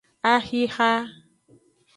Axixa.